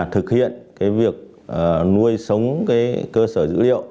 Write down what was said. thực hiện việc nuôi sống cơ sở dữ liệu